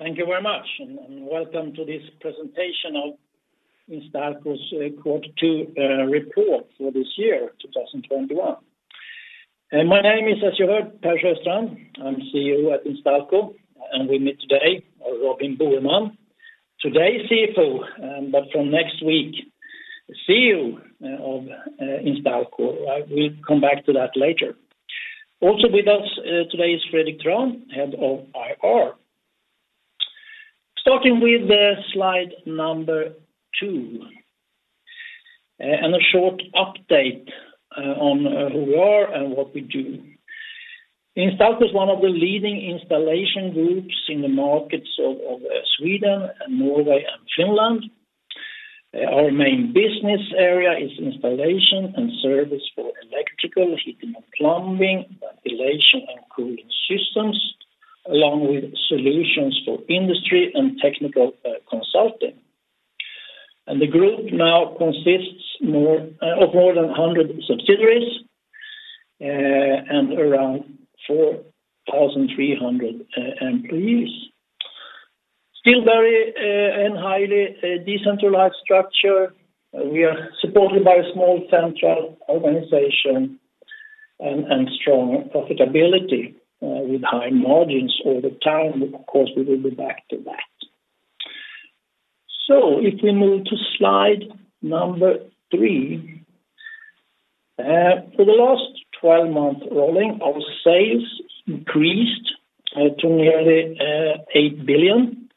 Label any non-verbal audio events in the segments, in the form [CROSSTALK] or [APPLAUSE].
Thank you very much, and welcome to this presentation of Instalco's Q2 report for this year, 2021. My name is, as you heard, Per Sjöstrand. I'm CEO at Instalco, and with me today are Robin Boheman, today CFO, but from next week, CEO of Instalco. We'll come back to that later. Also with us today is Fredrik Trahn, Head of IR. Starting with slide number two, and a short update on who we are and what we do. Instalco is one of the leading installation groups in the markets of Sweden and Norway and Finland. Our main business area is installation and service for electrical heating and plumbing, ventilation and cooling systems, along with solutions for industry and technical consulting. The group now consists of more than 100 subsidiaries and around 4,300 employees. Still very and highly decentralized structure. We are supported by a small central organization and strong profitability with high margins all the time. Of course, we will be back to that. If we move to slide number three. For the last 12 months rolling, our sales increased to nearly 8 billion,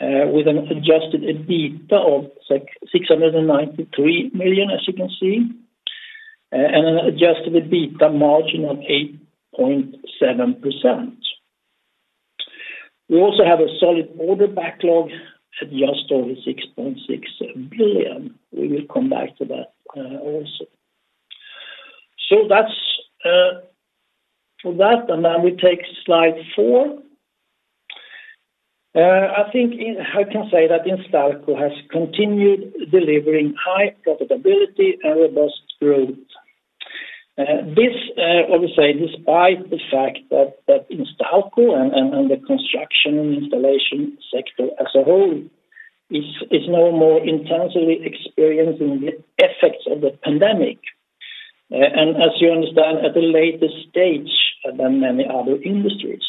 with an adjusted EBITDA of 693 million as you can see, and an adjusted EBITDA margin of 8.7%. We also have a solid order backlog at just over 6.6 billion. We will come back to that also. That's for that, and now we take slide four. I think I can say that Instalco has continued delivering high profitability and robust growth. This, I would say, despite the fact that Instalco and the construction and installation sector as a whole is now more intensively experiencing the effects of the pandemic, and as you understand, at a later stage than many other industries.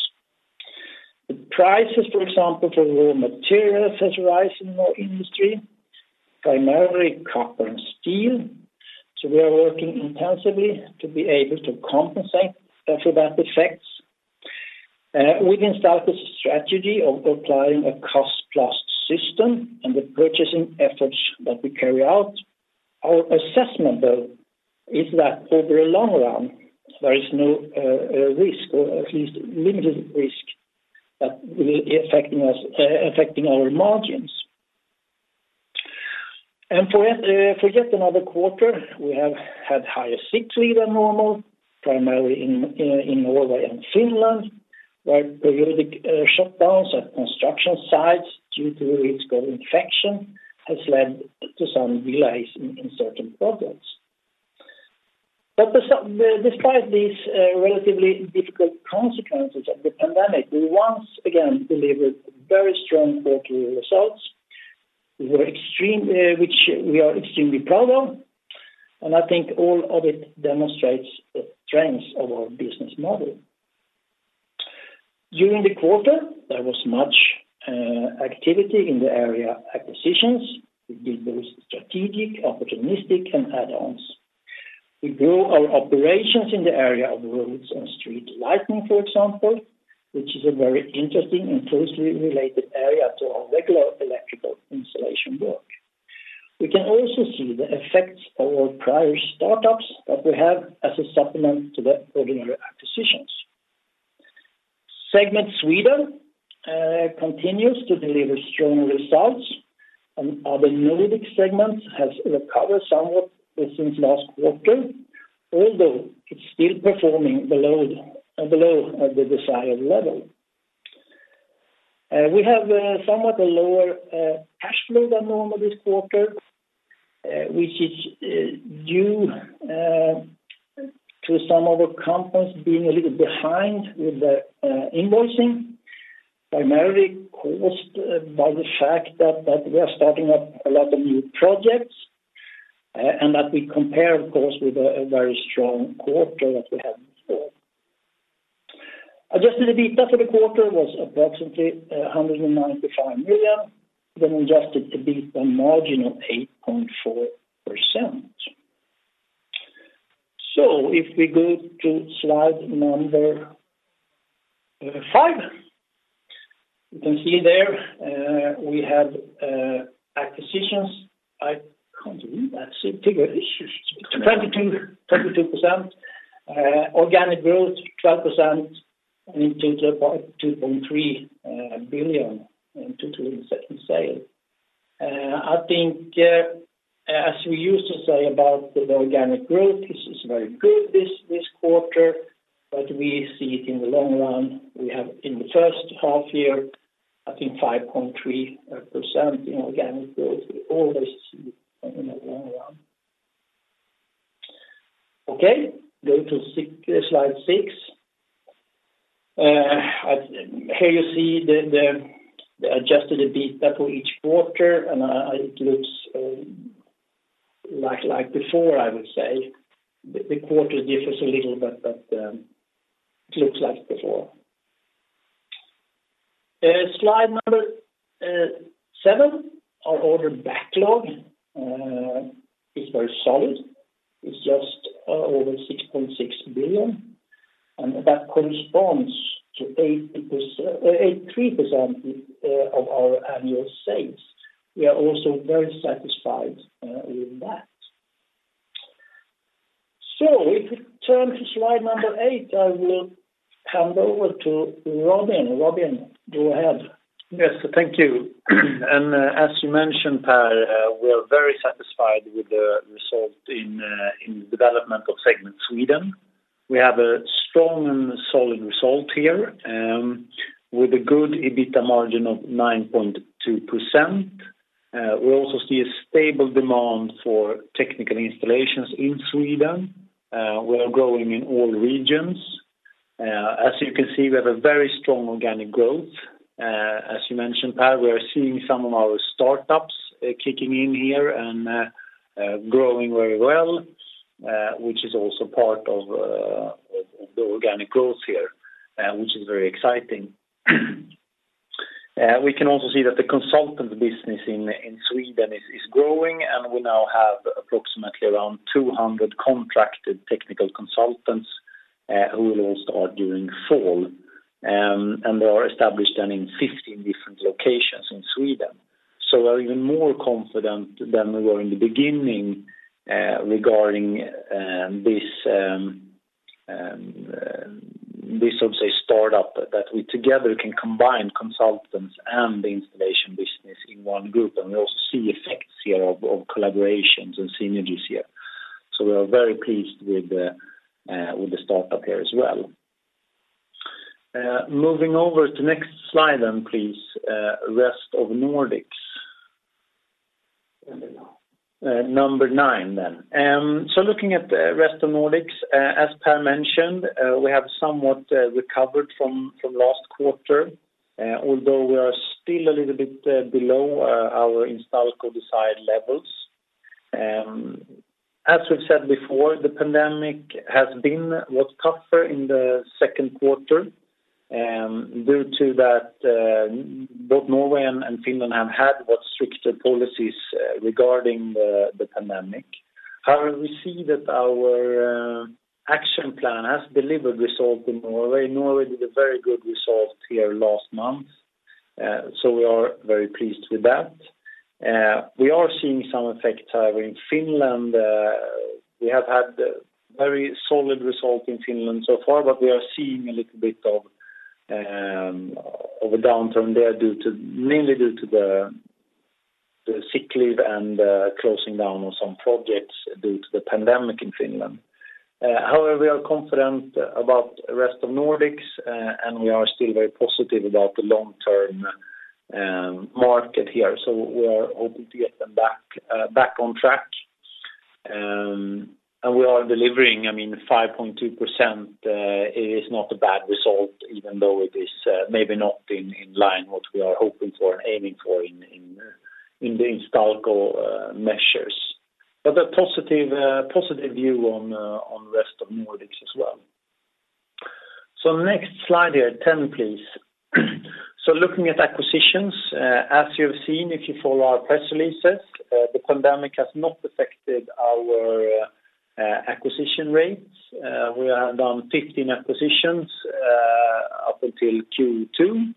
The prices, for example, for raw materials has rise in our industry, primarily copper and steel. We are working intensively to be able to compensate for those effects. With Instalco's strategy of applying a cost-plus system and the purchasing efforts that we carry out, our assessment, though, is that over a long run, there is no risk, or at least limited risk, that will be affecting our margins. For yet another quarter, we have had higher sick leave than normal, primarily in Norway and Finland, where periodic shutdowns at construction sites due to risk of infection has led to some delays in certain projects. Despite these relatively difficult consequences of the pandemic, we once again delivered very strong quarterly results, which we are extremely proud of, and I think all of it demonstrates the strengths of our business model. During the quarter, there was much activity in the area acquisitions. We did both strategic, opportunistic and add-ons. We grew our operations in the area of roads and street lighting, for example, which is a very interesting and closely related area to our regular electrical installation work. We can also see the effects of our prior startups that we have as a supplement to the ordinary acquisitions. Segment Sweden continues to deliver strong results, and other Nordic segments has recovered somewhat since last quarter, although it's still performing below the desired level. We have somewhat a lower cash flow than normal this quarter, which is due to some of our companies being a little behind with the invoicing, primarily caused by the fact that we are starting up a lot of new projects, and that we compare, of course, with a very strong quarter that we had before. Adjusted EBITDA for the quarter was approximately 195 million with an adjusted EBITDA margin of 8.4%. If we go to slide five, you can see there we have acquisitions. I can't believe that figure. It's 22%, organic growth, 12%, and in total, 2.3 billion in total net sales. I think, as we used to say about the organic growth, this is very good this quarter, but we see it in the long run. We have in the H1 year, I think 5.3% in organic growth. We always see in the long run. Okay, go to slide six. Here you see the adjusted EBITDA for each quarter, and it looks like before, I would say. The quarter differs a little, but it looks like before. Slide seven. Our order backlog is very solid. It's just over 6.6 billion, and that corresponds to 83% of our annual sales. We are also very satisfied with that. If we turn to slide number eight, I will hand over to Robin. Robin, go ahead. Yes, thank you. As you mentioned, Per, we're very satisfied with the result in the development of Segment Sweden. We have a strong and solid result here with a good EBITDA margin of 9.2%. We also see a stable demand for technical installations in Sweden. We are growing in all regions. As you can see, we have a very strong organic growth. As you mentioned, Per, we are seeing some of our startups kicking in here and growing very well, which is also part of the organic growth here, which is very exciting. We can also see that the consultant business in Sweden is growing. We now have approximately around 200 contracted technical consultants who will all start during fall. They are established in 15 different locations in Sweden. We're even more confident than we were in the beginning regarding this sort of startup that we together can combine consultants and the installation business in one group, and we also see effects here of collaborations and synergies here. We are very pleased with the startup here as well. Moving over to next slide then please, Rest of Nordics. Number nine. Number nine. Looking at the Rest of Nordics, as Per mentioned, we have somewhat recovered from last quarter, although we are still a little bit below our Instalco desired levels. As we've said before, the pandemic has been what's tougher in the Q2 due to that both Norway and Finland have had what stricter policies regarding the pandemic. We see that our action plan has delivered results in Norway. Norway did a very good result here last month. We are very pleased with that. We are seeing some effect, however, in Finland. We have had very solid results in Finland so far, but we are seeing a little bit of a downturn there mainly due to the sick leave and closing down of some projects due to the pandemic in Finland. However, we are confident about Rest of Nordics, and we are still very positive about the long-term market here. We are hoping to get them back on track. We are delivering, 5.2% is not a bad result, even though it is maybe not in line what we are hoping for and aiming for in the Instalco measures. A positive view on the Rest of Nordics as well. Next slide here, 10, please. Looking at acquisitions, as you've seen, if you follow our press releases, the pandemic has not affected our acquisition rates. We have done 15 acquisitions up until Q2,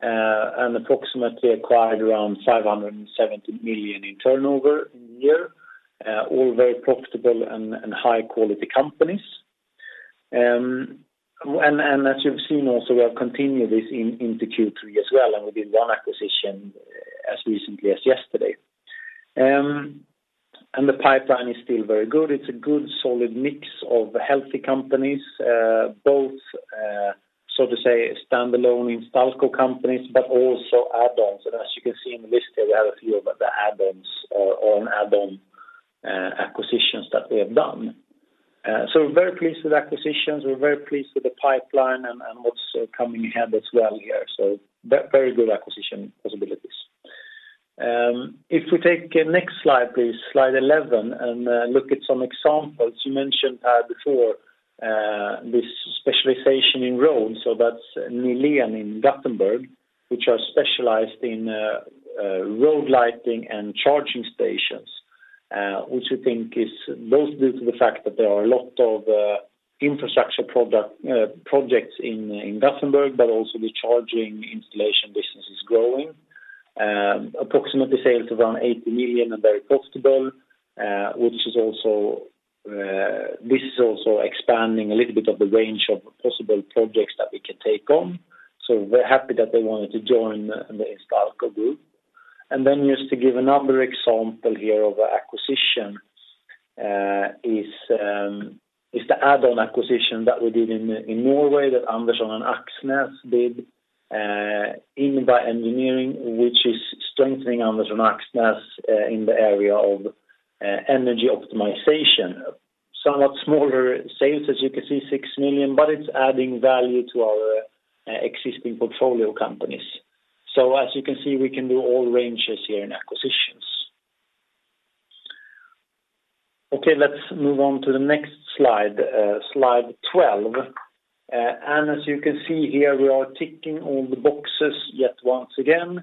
and approximately acquired around 570 million in turnover in the year. All very profitable and high-quality companies. As you've seen also, we have continued this into Q3 as well, and we did one acquisition as recently as yesterday. The pipeline is still very good. It's a good solid mix of healthy companies, both, so to say, standalone Instalco companies, but also add-ons. As you can see in the list here, we have a few of the add-ons or own add-on acquisitions that we have done. We're very pleased with acquisitions. We're very pleased with the pipeline and what's coming ahead as well here. Very good acquisition possibilities. If we take next slide, please, slide 11, and look at some examples. You mentioned, Per, before this specialization in road, so that's Nilan in Gothenburg, which are specialized in road lighting and charging stations, which we think is both due to the fact that there are a lot of infrastructure projects in Gothenburg, but also the charging installation business is growing. Approximately sales of around 80 million and very profitable. This is also expanding a little bit of the range of possible projects that we can take on. We're happy that they wanted to join the Instalco group. Just to give another example here of acquisition is the add-on acquisition that we did in Norway that Andersen and Aksnes did in the engineering which is strengthening Aksnes in the area of energy optimization. [INAUDIBLE] As you can see 6 million, but it's adding value to our existing portfolio companies. As you can see we can do all range this year in acquisitions. Let's move one to the next slide, slide 12. As you can see hear we are ticking on the boxes yet once again,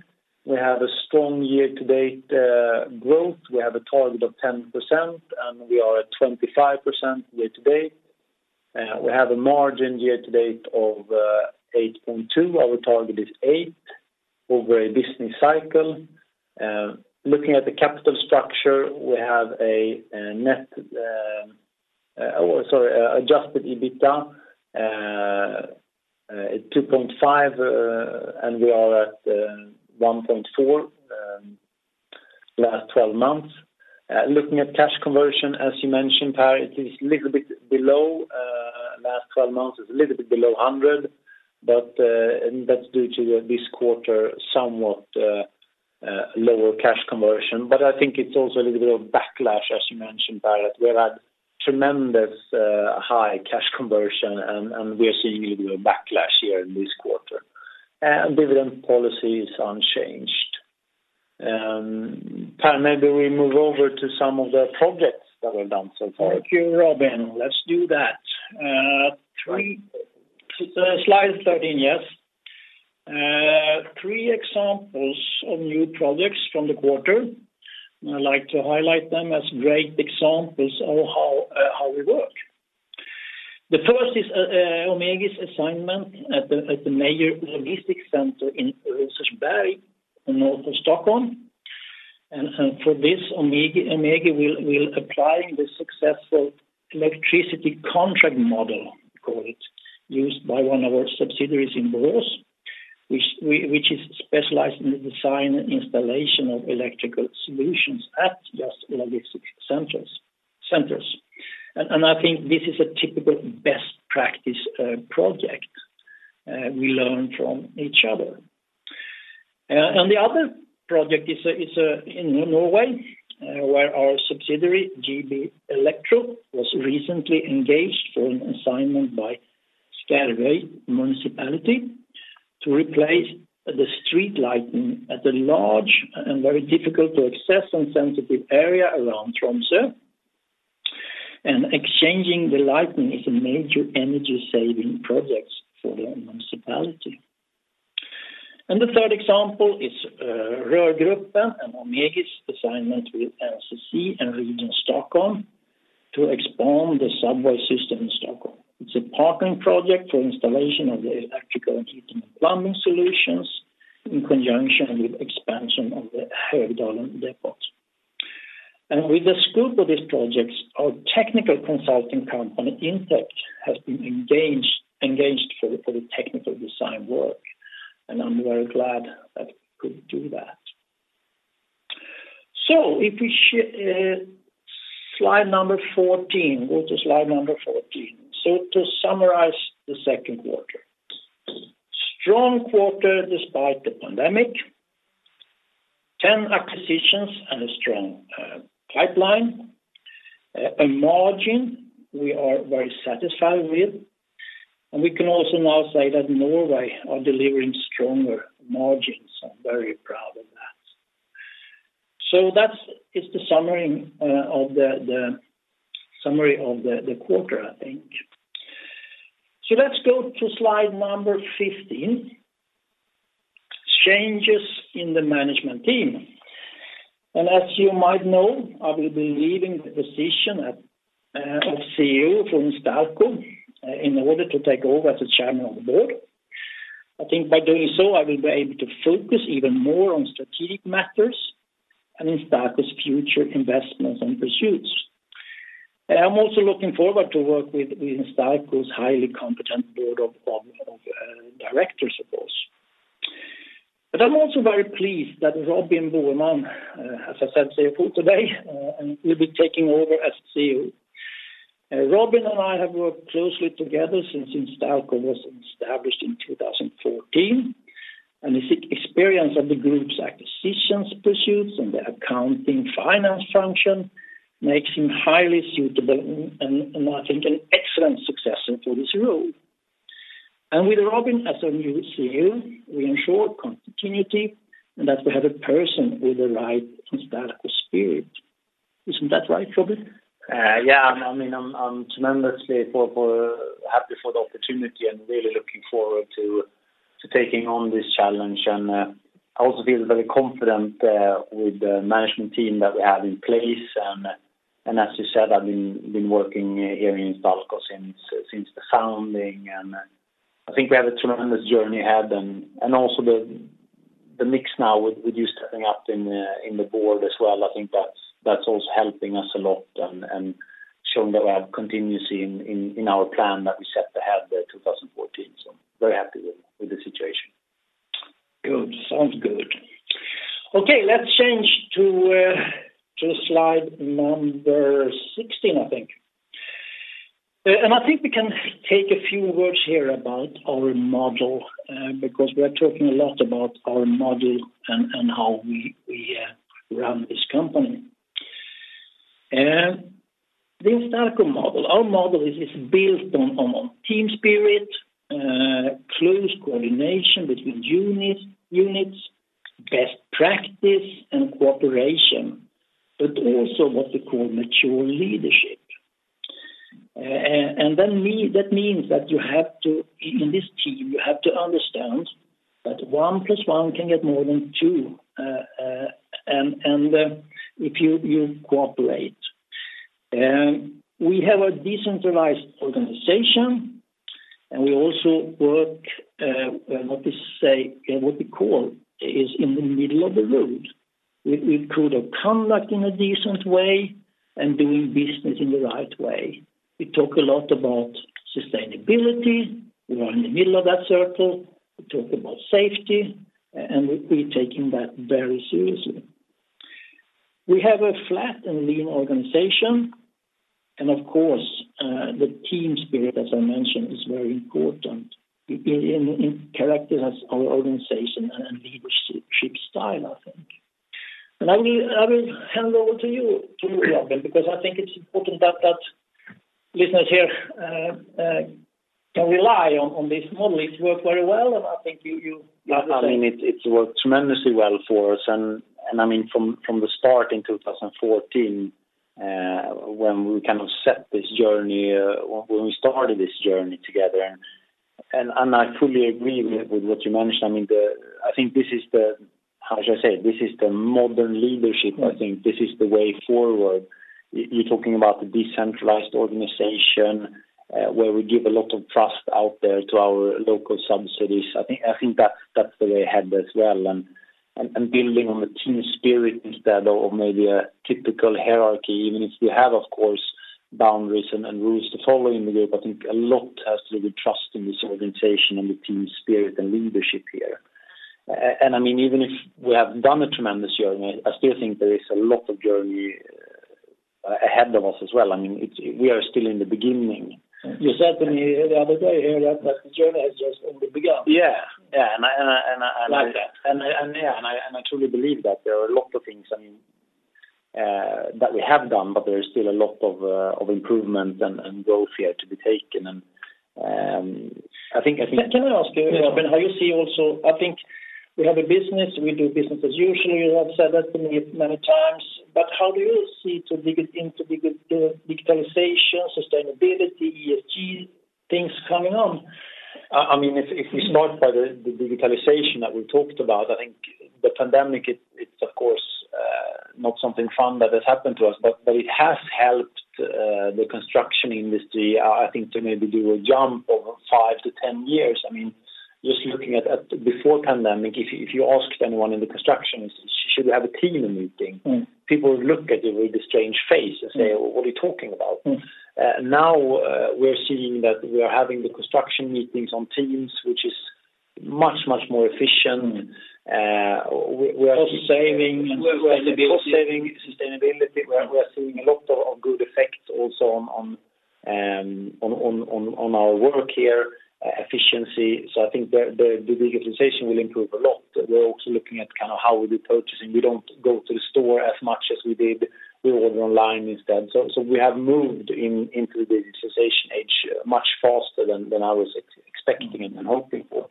Thank you, Robin. Let's do that. Slide 13, yes. Three examples of new projects from the quarter. I'd like to highlight them as great examples of how we work. The first is Ohmegi's assignment at the major logistic center in Ulriksdal, north of Stockholm. For this, Ohmegi will apply the successful electricity contract model, we call it, used by one of our subsidiaries in Borås, which is specialized in the design and installation of electrical solutions at just logistic centers. I think this is a typical best practice project. We learn from each other. The other project is in Norway where our subsidiary JB Elektro was recently engaged for an assignment by Skjervøy Municipality to replace the street lighting at the large and very difficult to access and sensitive area around Tromsø. Exchanging the lighting is a major energy-saving project for the municipality. The third example is Rörgruppen and Ohmegi's assignment with NCC and Region Stockholm to expand the subway system in Stockholm. It's a partnering project for installation of the electrical and heating and plumbing solutions in conjunction with expansion of the Högdalen depots. With the scope of these projects, our technical consulting company, Intec, has been engaged for the technical design work, and I'm very glad that we could do that. If we go to slide number 14. To summarize the Q2. Strong quarter despite the pandemic, 10 acquisitions and a strong pipeline, a margin we are very satisfied with, and we can also now say that Norway are delivering stronger margins. I'm very proud of that. That is the summary of the quarter, I think. Let's go to slide number 15, changes in the management team. As you might know, I will be leaving the position of CEO from Instalco in order to take over as the chairman of the board. I think by doing so, I will be able to focus even more on strategic matters and Instalco's future investments and pursuits. I'm also looking forward to work with Instalco's highly competent board of directors, of course. I'm also very pleased that Robin Boheman, as I said, CFO today, and will be taking over as CEO. Robin and I have worked closely together since Instalco was established in 2014, and his experience of the group's acquisitions pursuits and the accounting finance function makes him highly suitable and I think an excellent successor for this role. With Robin as our new CEO, we ensure continuity and that we have a person with the right Instalco spirit. Isn't that right, Robin? Yeah, I'm tremendously happy for the opportunity and really looking forward to taking on this challenge, and I also feel very confident with the management team that we have in place. As you said, I've been working here in Instalco since the founding, and I think we have a tremendous journey ahead and also the mix now with you stepping up in the board as well, I think that's also helping us a lot and showing that we have continuity in our plan that we set ahead there 2014. Very happy with the situation. Good. Sounds good. Okay, let's change to slide number 16, I think. I think we can take a few words here about our model, because we are talking a lot about our model and how we run this company. The Instalco model. Our model is built on team spirit, close coordination between units, best practice, and cooperation, but also what we call mature leadership. That means that in this team, you have to understand that one plus one can get more than two, and if you cooperate. We have a decentralized organization, and we also work what we call is in the middle of the road. With code of conduct in a decent way and doing business in the right way. We talk a lot about sustainability. We are in the middle of that circle. We talk about safety, and we're taking that very seriously. We have a flat and lean organization, and of course, the team spirit, as I mentioned, is very important in character as our organization and leadership style, I think. I will hand over to you, Robin, because I think it's important that listeners here can rely on this model. It's worked very well. It's worked tremendously well for us. From the start in 2014, when we started this journey together, and I fully agree with what you mentioned, I think this is the, how should I say, this is the modern leadership. I think this is the way forward. You're talking about the decentralized organization, where we give a lot of trust out there to our local subsidiaries. I think that's the way ahead as well, and building on the team spirit instead of maybe a typical hierarchy, even if we have, of course, boundaries and rules to follow in the group. I think a lot has to do with trust in this organization and the team spirit and leadership here. Even if we have done a tremendous journey, I still think there is a lot of journey ahead of us as well. We are still in the beginning. You said to me the other day, heard that the journey has just only begun. Yeah. Like that. I truly believe that there are a lot of things that we have done, but there is still a lot of improvement and growth here to be taken. Can I ask you, Robin, how you see also, I think we have a business, we do business as usual. You have said that to me many times, but how do you see to dig into digitalization, sustainability, ESG things coming on? If we start by the digitalization that we talked about, I think the pandemic, it's of course not something fun that has happened to us, but it has helped the construction industry, I think, to maybe do a jump over 5-10 years. Just looking at before pandemic, if you asked anyone in the construction, "Should we have a Teams meeting?" People would look at you with a strange face and say, "What are you talking about?" Now, we're seeing that we are having the construction meetings on Teams, which is much, much more efficient. Cost saving and sustainability. cost saving, sustainability. We are seeing a lot of good effects also on our work here, efficiency. I think the digitalization will improve a lot. We're also looking at how we do purchasing. We don't go to the store as much as we did. We order online instead. We have moved into the digitalization age much faster than I was expecting and hoping for.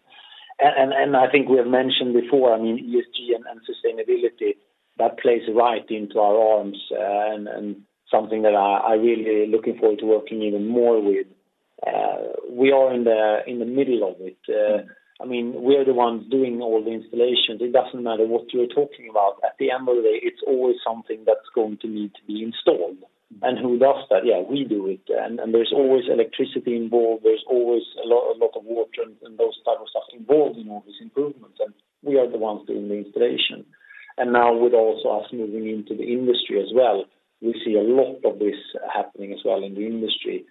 I think we have mentioned before, ESG and sustainability, that plays right into our arms, and something that I'm really looking forward to working even more with. We are in the middle of it. We are the ones doing all the installations. It doesn't matter what you're talking about. At the end of the day, it's always something that's going to need to be installed. Who does that? Yeah, we do it. There's always electricity involved. There's always a lot of water and those type of stuff involved in all these improvements, we are the ones doing the installation. Now with also us moving into the industry as well, we see a lot of this happening as well in the industry.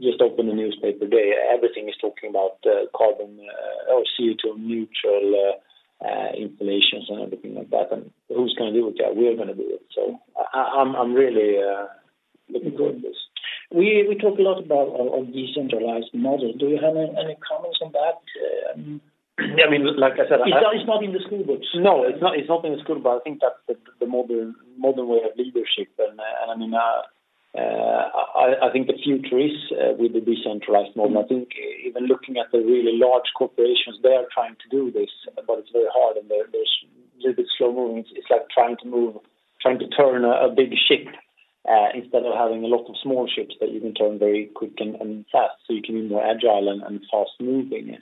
Just opened the newspaper today, everything is talking about carbon or CO2 neutral installations and everything like that. Who's going to do it? Yeah, we are going to do it. I'm really looking forward to this. We talk a lot about our decentralized model. Do you have any comments on that? Like I said- It's not in the school books. No, it's not in the school book. I think that's the modern way of leadership. I think the future is with the decentralized model. I think even looking at the really large corporations, they are trying to do this, but it's very hard, and they're a little bit slow moving. It's like trying to turn a big ship, instead of having a lot of small ships that you can turn very quick and fast, so you can be more agile and fast moving.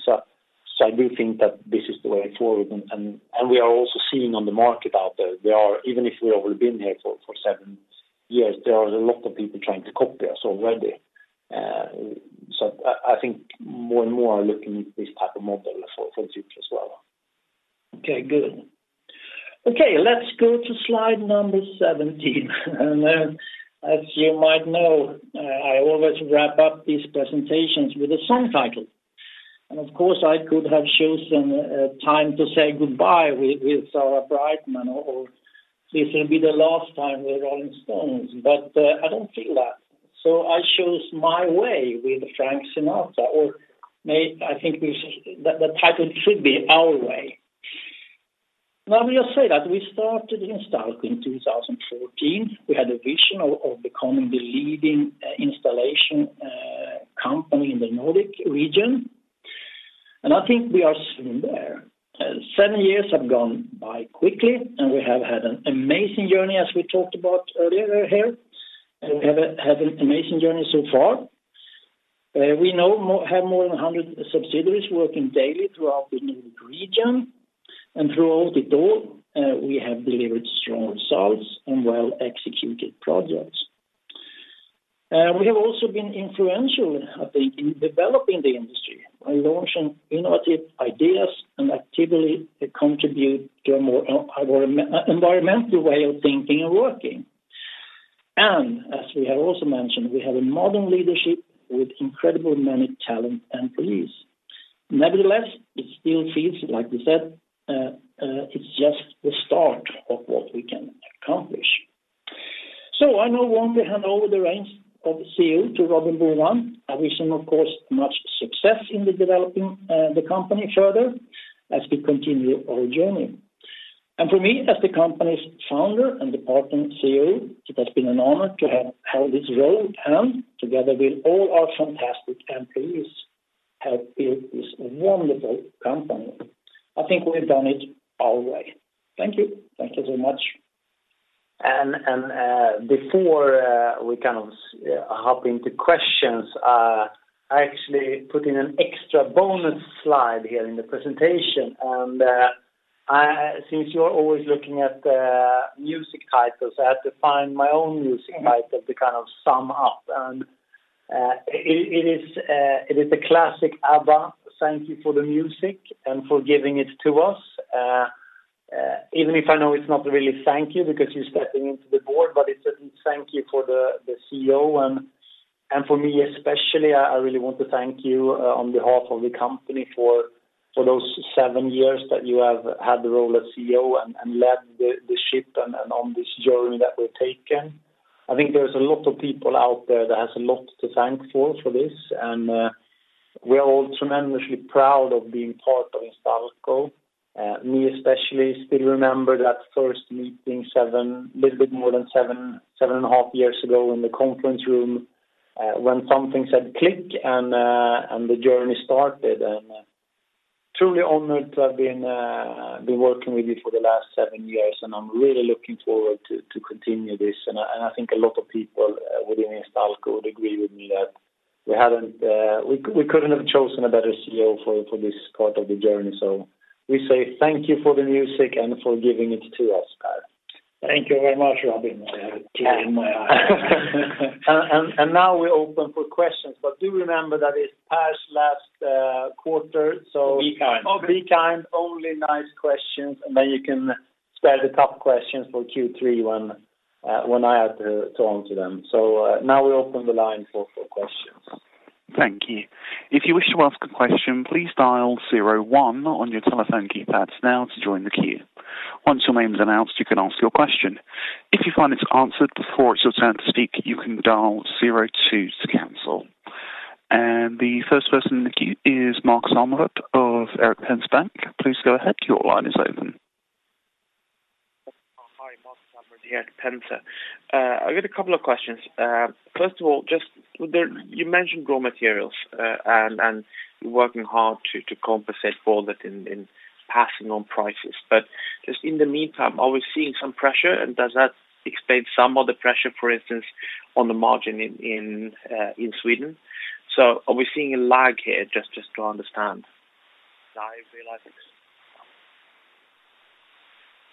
I do think that this is the way forward, and we are also seeing on the market out there, even if we've only been here for seven years, there are a lot of people trying to copy us already. I think more and more are looking at this type of model for the future as well. Good. Let's go to slide 17. As you might know, I always wrap up these presentations with a song title. Of course, I could have chosen "Time to Say Goodbye" with Sarah Brightman, or this will be the last time with The Rolling Stones, but I don't feel that. I chose "My Way" with Frank Sinatra, I think the title should be "Our Way." We just say that we started Instalco in 2014. We had a vision of becoming the leading installation company in the Nordic region, I think we are soon there. Seven years have gone by quickly, we have had an amazing journey, as we talked about earlier here. We have had an amazing journey so far. We now have more than 100 subsidiaries working daily throughout the Nordic region. Throughout it all, we have delivered strong results and well-executed projects. We have also been influential, I think, in developing the industry by launching innovative ideas and actively contribute to a more environmental way of thinking and working. As we have also mentioned, we have a modern leadership with incredibly many talented employees. Nevertheless, it still feels, like we said, it's just the start of what we can accomplish. I now want to hand over the reins of CEO to Robin Boheman, and wishing him, of course, much success in developing the company further as we continue our journey. For me, as the company's founder and departing CEO, it has been an honor to have held this role and together with all our fantastic employees, have built this wonderful company. I think we've done it our way. Thank you. Thank you so much. Before we hop into questions, I actually put in an extra bonus slide here in the presentation. Since you're always looking at music titles, I had to find my own music title to sum up, and it is the classic ABBA, "Thank You for the Music" and for giving it to us. Even if I know it's not really thank you because you're stepping into the board, but it's a thank you for the CEO, and for me especially, I really want to thank you on behalf of the company for those seven years that you have had the role as CEO and led the ship and on this journey that we've taken. I think there's a lot of people out there that has a lot to thank for this, and we are all tremendously proud of being part of Instalco. I especially, still remember that first meeting a little bit more than seven and a half years ago in the conference room, when something said click, and the journey started, and truly honored to have been working with you for the last seven years. I'm really looking forward to continue this, and I think a lot of people within Instalco would agree with me that we couldn't have chosen a better CEO for this part of the journey. We say thank you for the music and for giving it to us, Per. Thank you very much, Robin. I have a tear in my eye. Now we're open for questions, but do remember that it's Per's last quarter. Be kind. Be kind, only nice questions. You can spare the tough questions for Q3 when I have to answer them. Now we open the line for questions. Thank you. If you wish to ask a question, please dial zero, one on your telephone keypads now to join the queue. Once your name is announced, you can ask your question. If you find it's answered before it's your turn to speak, you can dial zero, two To cancel. The first person in the queue is Markus Söderberg of Erik Penser Bank. Please go ahead. Your line is open. Hi, Markus Söderberg here at Penser. I've got a couple of questions. First of all, you mentioned raw materials, and you're working hard to compensate for that in passing on prices. Just in the meantime, are we seeing some pressure, and does that explain some of the pressure, for instance, on the margin in Sweden? Are we seeing a lag here, just to understand?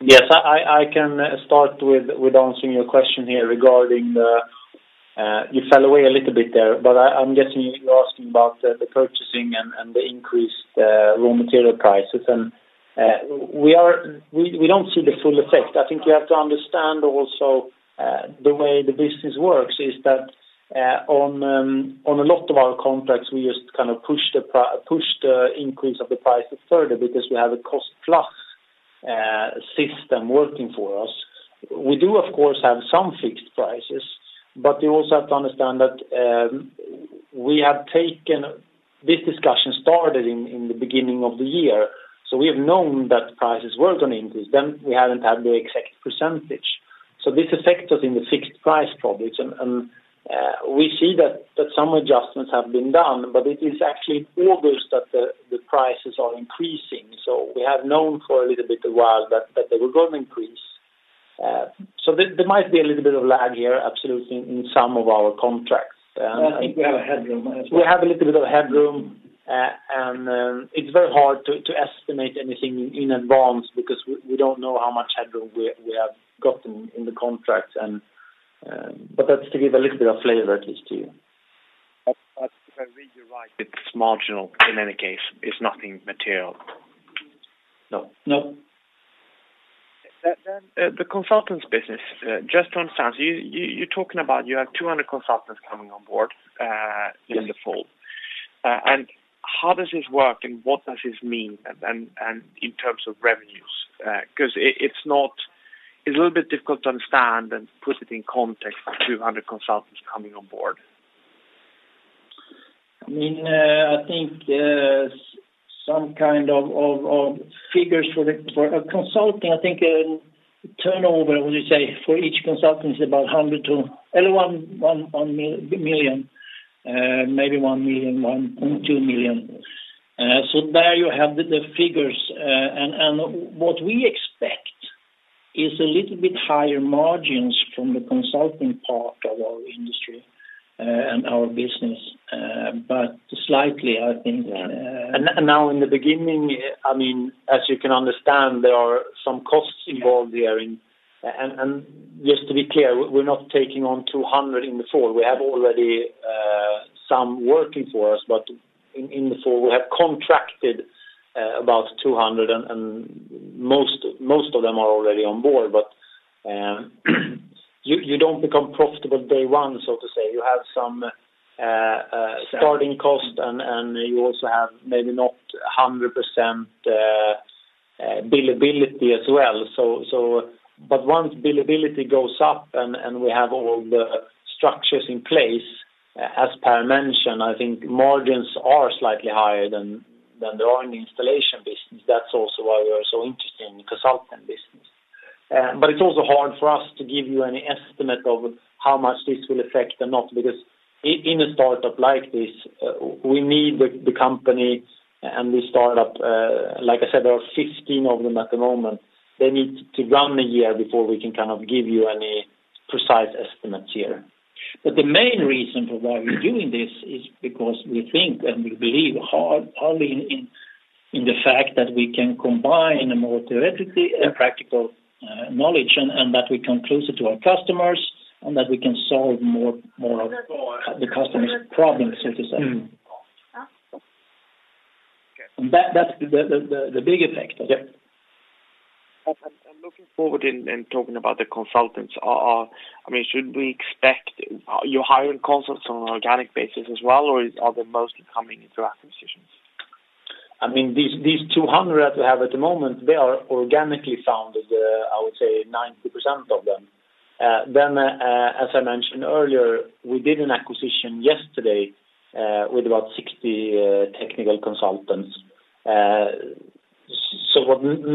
Yes, I can start with answering your question here regarding. You fell away a little bit there, I'm guessing you are asking about the purchasing and the increased raw material prices. We don't see the full effect. I think you have to understand also the way the business works is that on a lot of our contracts, we just push the increase of the prices further because we have a cost-plus system working for us. We do, of course, have some fixed prices. You also have to understand that this discussion started in the beginning of the year. We have known that prices were going to increase then. We haven't had the exact percentage. This affects us in the fixed price projects. We see that some adjustments have been done. It is actually August that the prices are increasing. We have known for a little while that they were going to increase. There might be a little bit of lag here, absolutely, in some of our contracts. I think we have a headroom as well. We have a little bit of headroom, and it's very hard to estimate anything in advance because we don't know how much headroom we have gotten in the contract, but that's to give a little bit of flavor at least to you. If I read you right, it's marginal in any case. It's nothing material. No. The consultants business. Just to understand, you're talking about you have 200 consultants coming on board in the fall. Yes. How does this work and what does this mean in terms of revenues? It's a little bit difficult to understand and put it in context, 200 consultants coming on board. I think some kind of figures for a consulting, I think turnover, would you say, for each consultant is about maybe 1 million, 1.2 million. There you have the figures. What we expect is a little bit higher margins from the consulting part of our industry and our business, slightly, I think. Yeah. Now in the beginning, as you can understand, there are some costs involved there. Just to be clear, we're not taking on 200 in the fall. We have already some working for us, in the fall, we have contracted about 200, and most of them are already on board. You don't become profitable day one, so to say. You have some starting cost and you also have maybe not 100% billability as well. Once billability goes up and we have all the structures in place, as Per mentioned, I think margins are slightly higher than they are in the installation business. That's also why we are so interested in the consultant business. It's also hard for us to give you any estimate of how much this will affect or not, because in a startup like this, we need the company and this startup. Like I said, there are 15 of them at the moment. They need to run a year before we can give you any precise estimates here. The main reason for why we're doing this is because we think and we believe hardly in the fact that we can combine a more theoretically and practical knowledge, and that we come closer to our customers, and that we can solve more of the customer's problems, so to say. That's the big effect. Yep. I'm looking forward in talking about the consultants are. Should we expect you're hiring consultants on an organic basis as well, or are they mostly coming through acquisitions? These 200 that we have at the moment, they are organically founded, I would say 90% of them. As I mentioned earlier, we did an acquisition yesterday with about 60 technical consultants.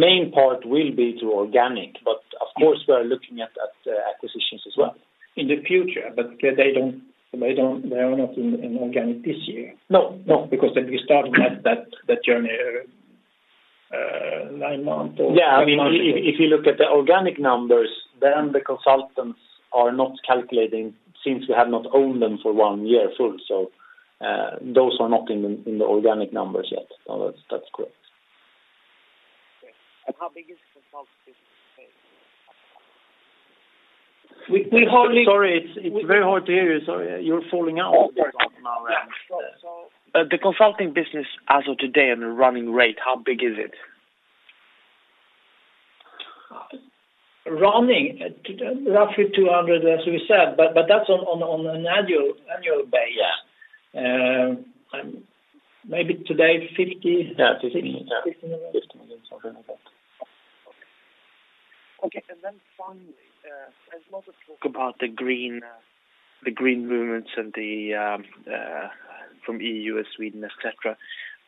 Main part will be through organic, but of course, we are looking at acquisitions as well in the future, but they are not in organic this year. No, because they're starting at that journey, nine months or 12 months ago. If you look at the organic numbers, then the consultants are not calculating since we have not owned them for one full year. Those are not in the organic numbers yet. That's correct. Okay. How big is the consulting business today? Sorry, it's very hard to hear you. Sorry. You're falling out now. The consulting business as of today and the running rate, how big is it? Running, roughly 200 million, as we said, but that's on an annual basis. Yeah. Maybe today, 50 million. 50 million. 50 million, something like that. Okay. Finally, there's a lot of talk about the green movements from EU, Sweden, et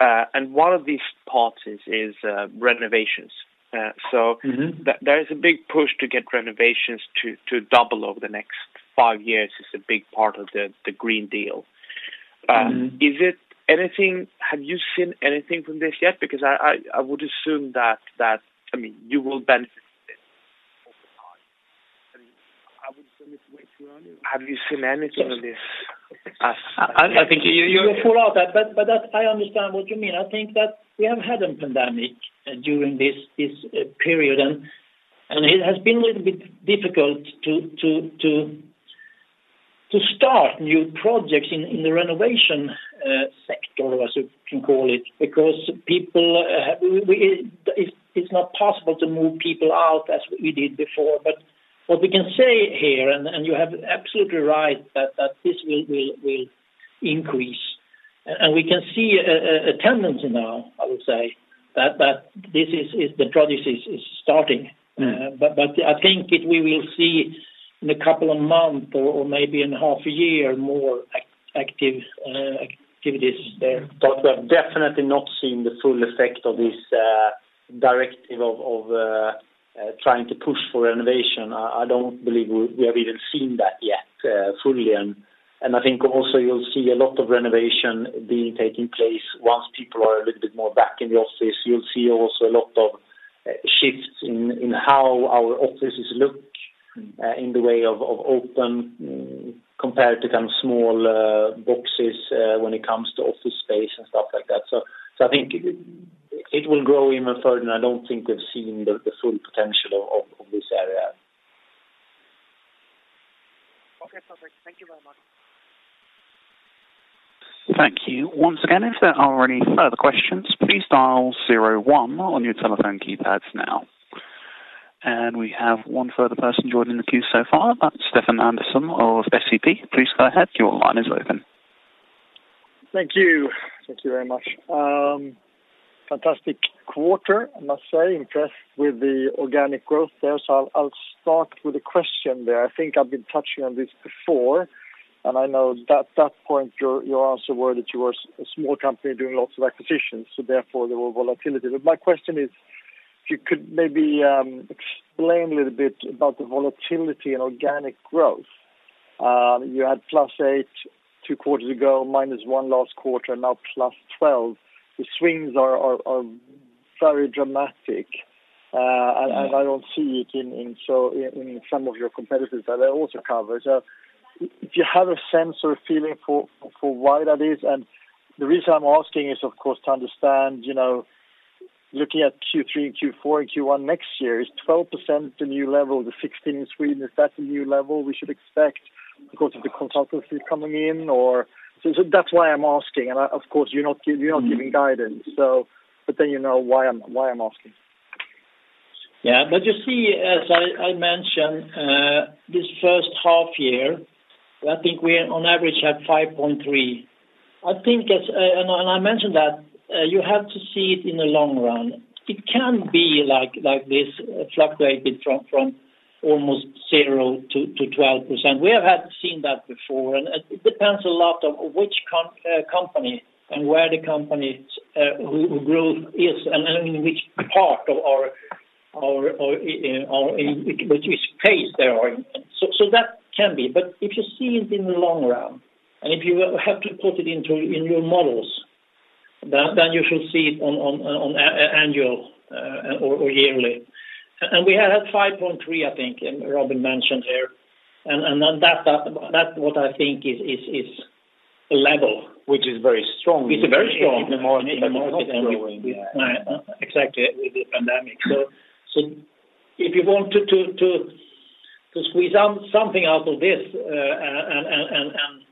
cetera. One of these parts is renovations. Mm-hmm. There is a big push to get renovations to double over the next five years is a big part of the European Green Deal. Mm-hmm. Have you seen anything from this yet? Because I would assume that you will benefit from this over time. I would assume it's way too early. Have you seen anything on this, but I understand what you mean. I think that we have had a pandemic during this period, and it has been a little bit difficult to start new projects in the renovation sector, as you can call it, because it's not possible to move people out as we did before. What we can say here, and you have absolutely right, that this will increase. We can see a tendency now, I would say, that the project is starting. I think we will see in a couple of months or maybe in half a year, more active activities there. We have definitely not seen the full effect of this directive of trying to push for renovation. I don't believe we have even seen that yet fully. I think also you'll see a lot of renovation being taking place once people are a little bit more back in the office. You'll see also a lot of shifts in how our offices look in the way of open compared to small boxes when it comes to office space and stuff like that. I think it will grow even further, and I don't think we've seen the full potential of this yet. Okay, perfect. Thank you very much. Thank you. Once again, if there are any further questions, please dial zero one on your telephone keypads now. We have one further person joining the queue so far. That's Stefan Andersson of SEB. Please go ahead. Your line is open. Thank you. Thank you very much. Fantastic quarter, I must say. Impressed with the organic growth there. I'll start with a question there. I think I've been touching on this before, and I know at that point your answer were that you were a small company doing lots of acquisitions, so therefore there were volatility. My question is, if you could maybe explain a little bit about the volatility and organic growth. You had +8% two quarters ago, -1% last quarter, now +12%. The swings are very dramatic, and I don't see it in some of your competitors that I also cover. If you have a sense or a feeling for why that is, and the reason I'm asking is, of course, to understand, looking at Q3, Q4, and Q1 next year. Is 12% the new level? The 16 in Sweden, is that the new level we should expect because of the consultancies coming in? That's why I'm asking. Of course, you're not giving guidance. You know why I'm asking. Yeah. You see, as I mentioned, this H1-year, I think we on average had 5.3. I mentioned that you have to see it in the long run. It can be like this, fluctuate from almost 0%-12%. We have seen that before, it depends a lot on which company and where the company's growth is and in which phase they are in. That can be. If you see it in the long run, and if you have to put it into your models, then you should see it annual or yearly. We had 5.3, I think Robin Boheman mentioned there. That what I think is a level- Which is very strong. It's very strong. In a market that is not growing. Exactly. With the pandemic. If you want to squeeze something out of this and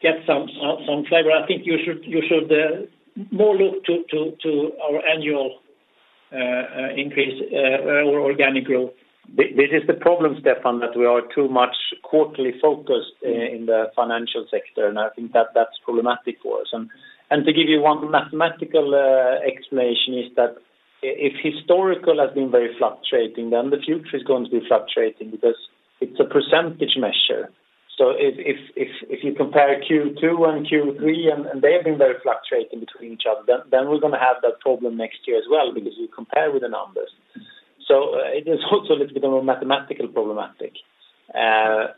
get some flavor, I think you should more look to our annual increase or organic growth. This is the problem, Stefan, that we are too much quarterly focused in the financial sector, and I think that's problematic for us. To give you one mathematical explanation is that if historical has been very fluctuating, then the future is going to be fluctuating because it's a percentage measure. If you compare Q2 and Q3 and they have been very fluctuating between each other, then we're going to have that problem next year as well because you compare with the numbers. It is also a little bit of a mathematical problematic. As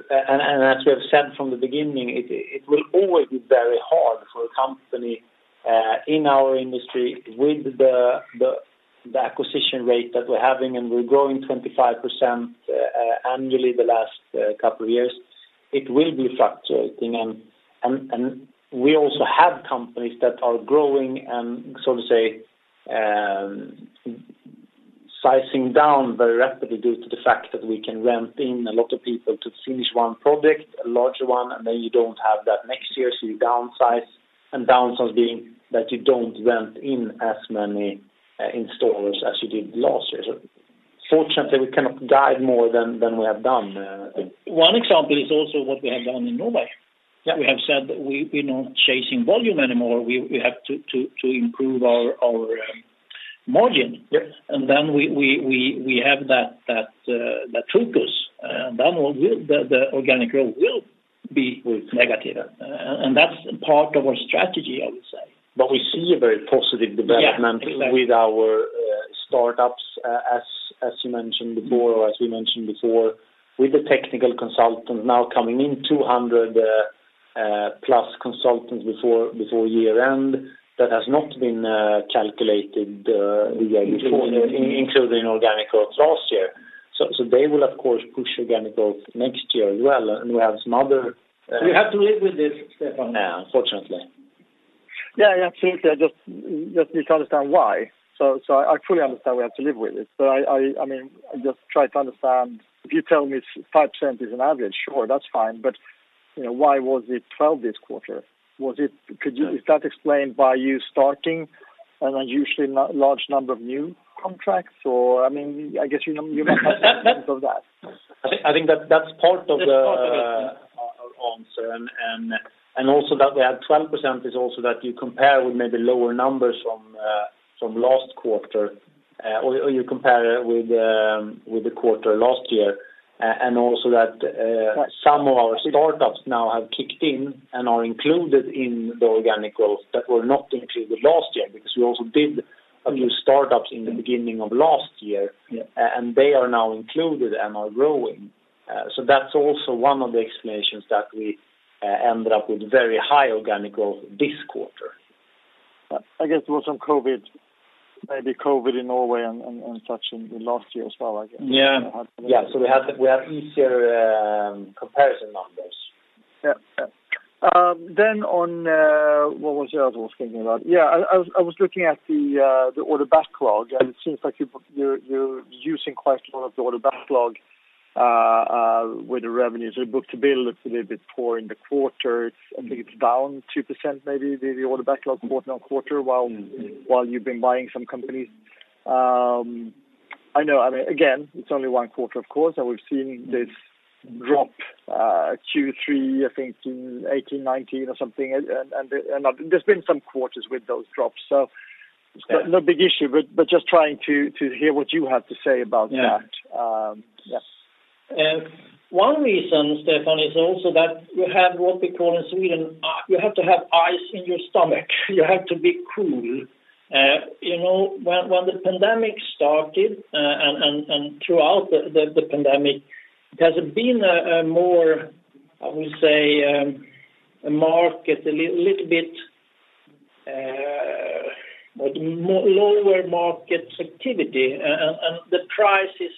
we have said from the beginning, it will always be very hard for a company in our industry with the acquisition rate that we're having, and we're growing 25% annually the last couple of years. It will be fluctuating. We also have companies that are growing and so to say sizing down very rapidly due to the fact that we can rent in a lot of people to finish one project, a larger one, and then you don't have that next year, so you downsize. Downsize being that you don't rent in as many installers as you did last year. Fortunately, we cannot guide more than we have done. One example is also what we have done in Norway. Yeah. We have said that we're not chasing volume anymore. We have to improve our margin. Yes. We have that focus. The organic growth will be negative. That's part of our strategy, I would say. We see a very positive development. Yeah, exactly. with our startups, as you mentioned before, or as we mentioned before, with the technical consultant now coming in 200-plus consultants before year-end. That has not been calculated the year before, including organic growth last year. They will of course push organic growth next year as well. We have some other. We have to live with this, Stefan, now, unfortunately. Yeah, absolutely. I just need to understand why. I fully understand we have to live with it. I just try to understand. If you tell me 5% is an average, sure, that's fine. Why was it 12 this quarter? Is that explained by you starting an unusually large number of new contracts? I guess you might have to think of that. I think that that's part of our answer. Also, that we had 12% is also that you compare with maybe lower numbers from last quarter, or you compare with the quarter last year. Also, that some of our startups now have kicked in and are included in the organic growth that were not included last year because we also did a few startups in the beginning of last year, and they are now included and are growing. That's also one of the explanations that we ended up with very high organic growth this quarter. I guess there was some COVID in Norway and such in the last year as well, I guess. Yeah. We have easier comparison numbers. What was the other one I was thinking about? I was looking at the order backlog, and it seems like you're using quite a lot of the order backlog with the revenues. Your book-to-bill looks a little bit poor in the quarter. I think it's down 2%, maybe, the order backlog quarter-on-quarter while you've been buying some companies. It's only one quarter, of course, and we've seen this drop Q3, I think in 2018, 2019 or something. There's been some quarters with those drops, so it's no big issue, but just trying to hear what you have to say about that. One reason, Stefan, is also that you have what we call in Sweden, you have to have ice in your stomach. You have to be cool. When the pandemic started, and throughout the pandemic, there's been a more, I would say, lower market activity, and the price is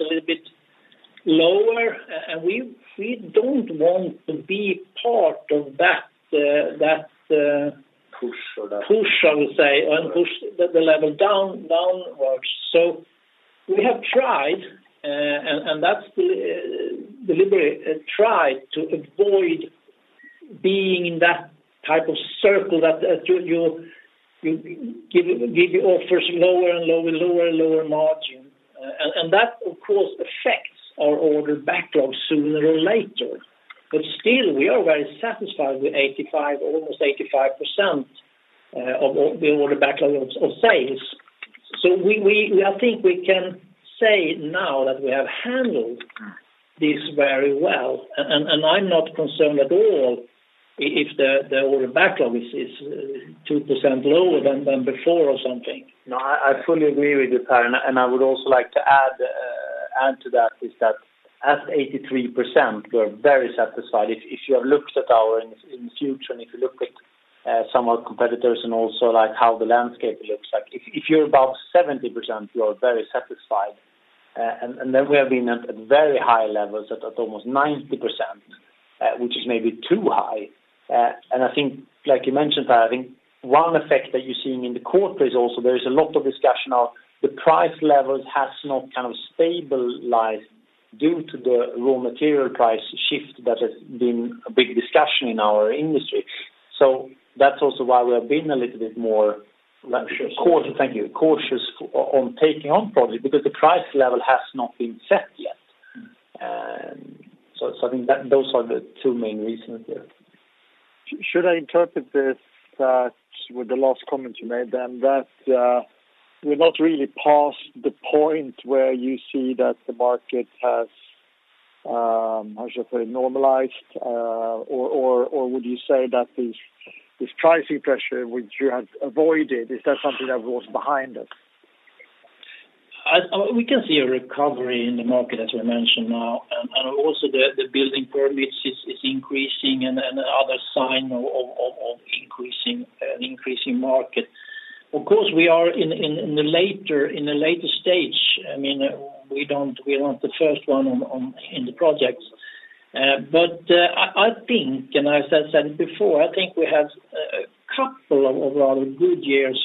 a little bit lower, and we don't want to be part of that- Push or that- Push, I would say and push the level downwards. We have tried, and that's deliberately tried to avoid being in that type of circle that you give offers lower and lower margin. Still, we are very satisfied with almost 85% of the order backlog of sales. I think we can say now that we have handled this very well, and I'm not concerned at all if the order backlog is 2% lower than before or something. I fully agree with you, Per, and I would also like to add to that is that at 83%, we're very satisfied. If you have looked at our, in future, and if you look at some of our competitors and also how the landscape looks like, if you're above 70%, you are very satisfied. Then we have been at very high levels at almost 90%, which is maybe too high. I think, like you mentioned, Per, I think one effect that you're seeing in the quarter is also there is a lot of discussion of the price levels has not stabilized due to the raw material price shift that has been a big discussion in our industry. That's also why we have been a little bit more Cautious thank you, cautious on taking on projects because the price level has not been set yet. I think those are the two main reasons there. Should I interpret this, with the last comment you made then, that we're not really past the point where you see that the market has, how should I put it, normalized? Or would you say that this pricing pressure, which you have avoided, is that something that was behind it? We can see a recovery in the market, as we mentioned now, and also the building permits is increasing and other sign of increasing market. Of course, we are in the later stage. We are not the first one in the projects. I think, and as I said before, I think we have a couple of rather good years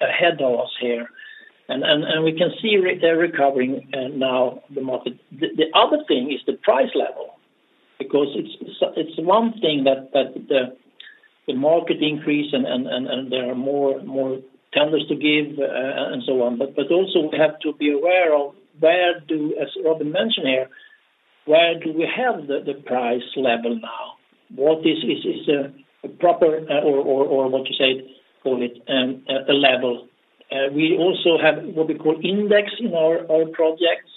ahead of us here, and we can see they're recovering now the market. The other thing is the price level, because it's one thing that the market increase and there are more tenders to give, and so on. Also, we have to be aware of where do, as Robin Boheman mentioned here, where do we have the price level now? What is a proper, or what you say, call it, a level. We also have what we call index in our projects.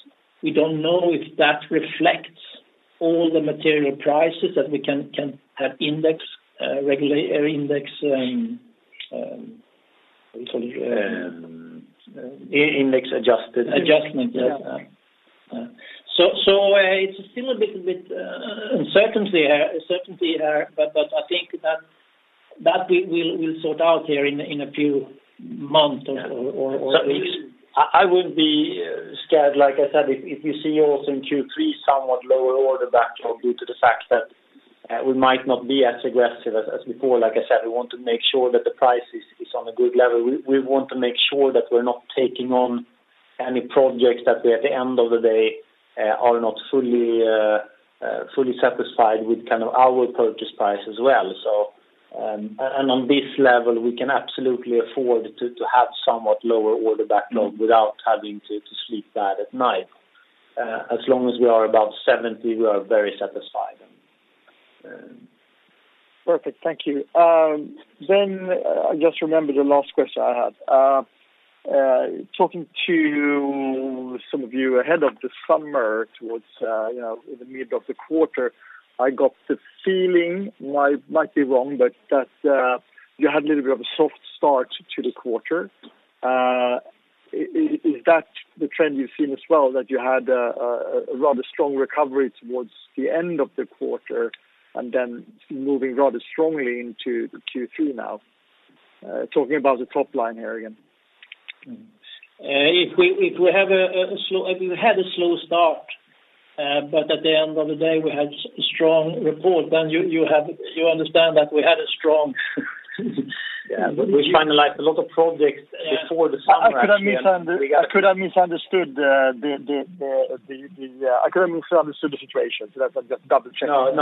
We don't know if that reflects all the material prices that we can have index, regular index What you call it? Index adjusted. Adjustment. Yeah. It's still a little bit uncertainty there, but I think that we'll sort out here in a few months or weeks. I wouldn't be scared, like I said, if you see also in Q3 somewhat lower order backlog due to the fact that we might not be as aggressive as before. Like I said, we want to make sure that the price is on a good level. We want to make sure that we're not taking on any projects that we, at the end of the day, are not fully satisfied with our purchase price as well. On this level, we can absolutely afford to have somewhat lower order backlog without having to sleep bad at night. As long as we are above 70, we are very satisfied. Perfect. Thank you. I just remembered the last question I had. Talking to some of you ahead of the summer towards in the middle of the quarter, I got the feeling, I might be wrong, but that you had a little bit of a soft start to the quarter. Is that the trend you've seen as well that you had a rather strong recovery towards the end of the quarter and then moving rather strongly into Q3 now? Talking about the top line here again. If we had a slow start, but at the end of the day we had strong report, then you understand that we had a strong. We finalized a lot of projects before the summer actually. I could have misunderstood the situation, so I'm just double-checking.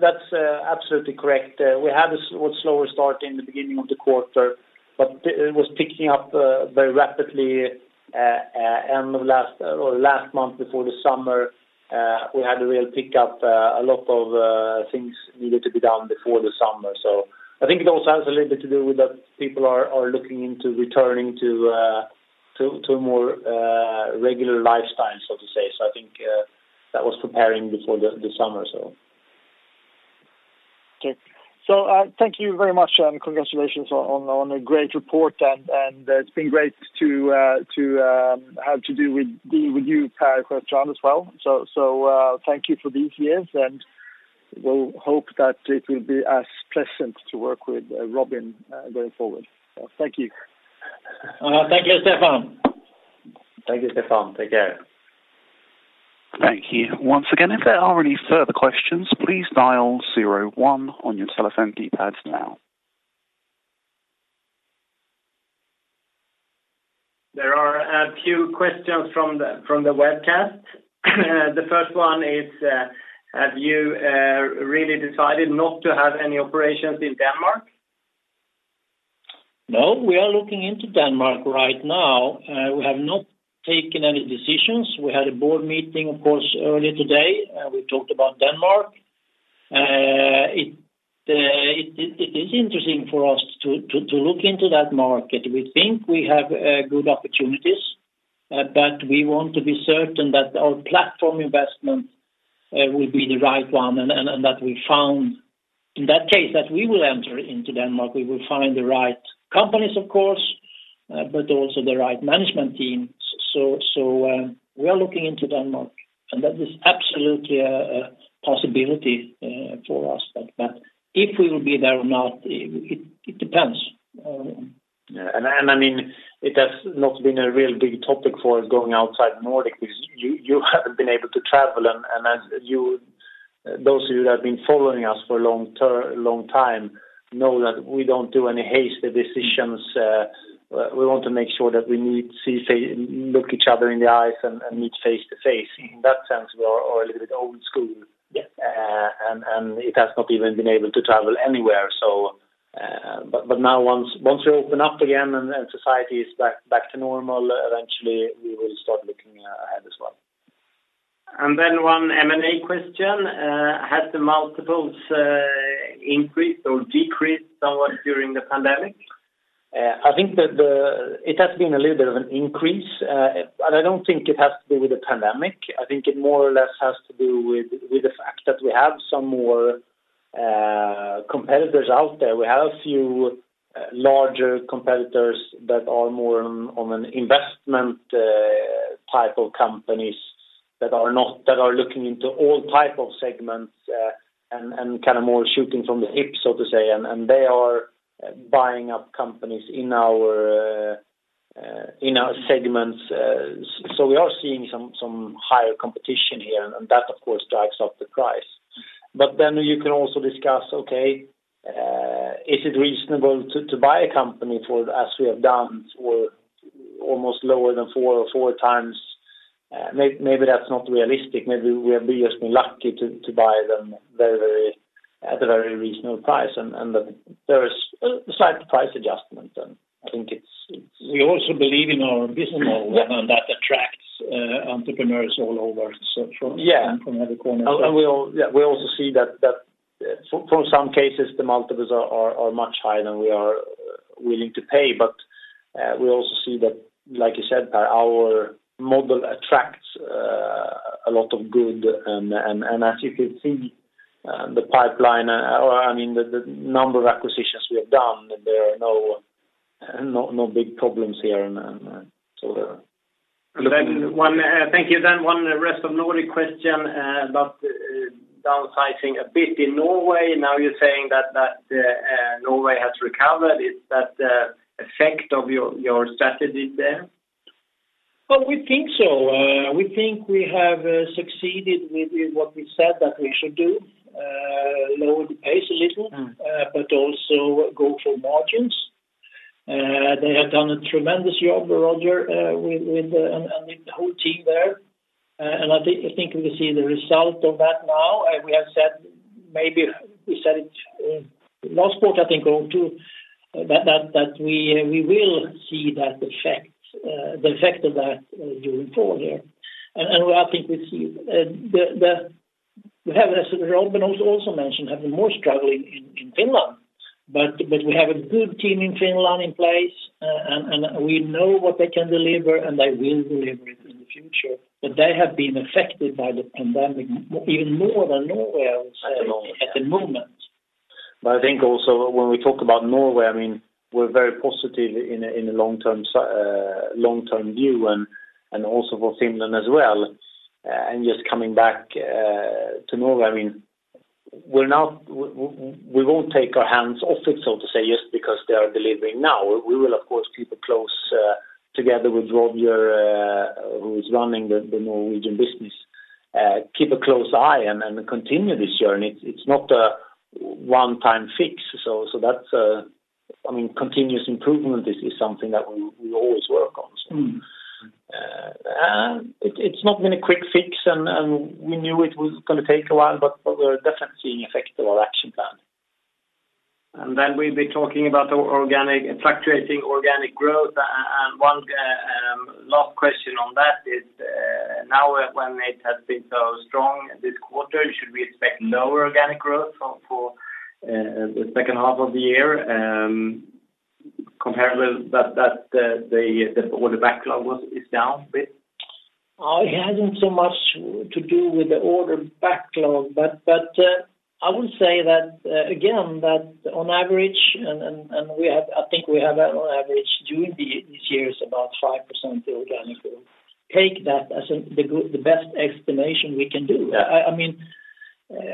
That's absolutely correct. We had a slower start in the beginning of the quarter, but it was picking up very rapidly. Last month before the summer, we had a real pickup. A lot of things needed to be done before the summer. I think it also has a little bit to do with that people are looking into returning to a more regular lifestyle, so to say. I think that was preparing before the summer. Okay. Thank you very much and congratulations on a great report and it's been great to have to do with you, Per Sjöstrand and John as well. Thank you for these years and we'll hope that it will be as pleasant to work with Robin Boheman going forward. Thank you. Thank you, Stefan. Take care. Thank you. Once again, if there are any further questions, please dial 01 on your telephone keypads now. There are a few questions from the webcast. The first one is, have you really decided not to have any operations in Denmark? No, we are looking into Denmark right now. We have not taken any decisions. We had a board meeting, of course, earlier today, we talked about Denmark. It is interesting for us to look into that market. We think we have good opportunities, but we want to be certain that our platform investment will be the right one and that we found, in that case, that we will enter into Denmark, we will find the right companies, of course, but also the right management team. We are looking into Denmark, and that is absolutely a possibility for us. If we will be there or not, it depends. Yeah. It has not been a real big topic for going outside Nordic because you haven't been able to travel. Those of you that have been following us for a long time know that we don't do any hasty decisions. We want to make sure that we look each other in the eyes and meet face-to-face. In that sense, we are a little bit old school. Yes. It has not even been able to travel anywhere. Now once we open up again and society is back to normal, eventually we will start looking ahead as well. One M&A question. Have the multiples increased or decreased somewhat during the pandemic? I think that it has been a little bit of an increase. I don't think it has to do with the pandemic. I think it more or less has to do with the fact that we have some more competitors out there. We have a few larger competitors that are more on an investment type of companies that are looking into all type of segments and more shooting from the hip, so to say. They are buying up companies in our segments. We are seeing some higher competition here, and that of course drives up the price. You can also discuss, okay, is it reasonable to buy a company as we have done for almost lower than four or four times? Maybe that's not realistic. Maybe we have just been lucky to buy them at a very reasonable price. There is a slight price adjustment. We also believe in our business model, and that attracts entrepreneurs all over from every corner. Yeah. We also see that for some cases; the multiples are much higher than we are willing to pay. We also see that, like you said, Per, our model attracts a lot of good, and as you can see the pipeline or the number of acquisitions we have done, there are no big problems here. Thank you. One Rest of Nordics question about downsizing a bit in Norway. You're saying that Norway has recovered. Is that the effect of your strategies there? Well, we think so. We think we have succeeded with what we said that we should do, lower the pace a little, but also go for margins. They have done a tremendous job, Roger, and the whole team there. I think we see the result of that now. We said it last quarter, I think, too, that we will see the effect of that going forward there. I think we see, as Robin also mentioned, have been more struggling in Finland. We have a good team in Finland in place, and we know what they can deliver, and they will deliver it in the future. They have been affected by the pandemic even more than Norway at the moment. I think also when we talk about Norway, we're very positive in a long-term view and also for Finland as well. Just coming back to Norway. We won't take our hands off it, so to say, just because they are delivering now. We will, of course, together with Roger, who's running the Norwegian business, keep a close eye and then continue this journey. It's not a one-time fix. Continuous improvement is something that we always work on. It's not been a quick fix, and we knew it was going to take a while, but we're definitely seeing effect of our action plan. Then we'll be talking about fluctuating organic growth. One last question on that is, now when it has been so strong this quarter, should we expect lower organic growth for the H2 of the year, comparable that the order backlog is down a bit? It hasn't so much to do with the order backlog. I would say that, again, that on average, and I think we have on average during these years about 5% organic growth. Take that as the best explanation we can do.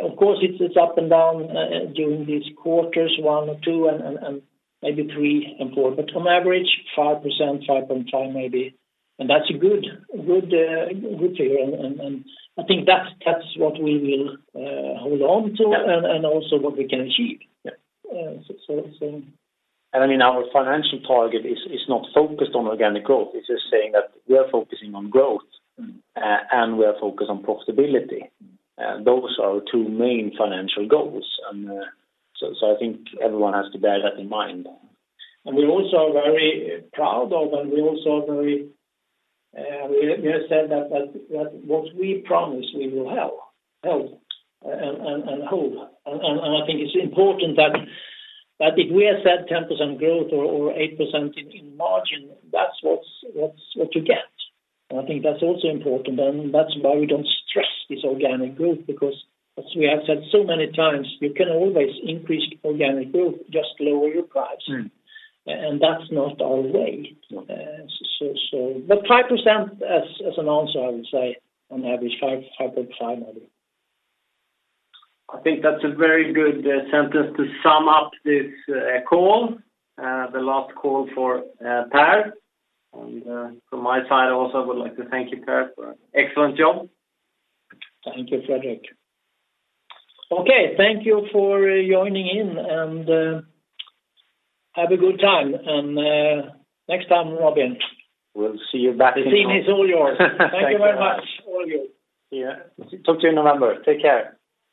Of course, it's up and down during these quarters, one or two, and maybe three and four, but on average, 5%, 5.5% maybe, and that's a good figure, and I think that's what we will hold on to and also what we can achieve. Yeah. So. Our financial target is not focused on organic growth. It's just saying that we are focusing on growth- We are focused on profitability. Those are our two main financial goals. I think everyone has to bear that in mind. We also are very proud of, and we have said that what we promise we will help, and hold. I think it's important that if we have said 10% growth or 8% in margin, that's what you get. I think that's also important, and that's why we don't stress this organic growth because, as we have said so many times, you can always increase organic growth, just lower your price. That's not our way. 5% as an answer, I would say, on average, 5.5 maybe. I think that's a very good sentence to sum up this call, the last call for Per. From my side also, I would like to thank you, Per, for an excellent job. Thank you, Fredrik. Okay. Thank you for joining in, and have a good time, and next time, Robin. We'll see you back. The scene is all yours. Thank you very much. Thank you very much, all of you. See you. Talk to you in November. Take care.